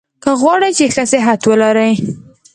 که غواړی چي ښه صحت ولرئ؟